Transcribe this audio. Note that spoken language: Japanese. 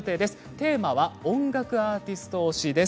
テーマは音楽アーティスト推しです。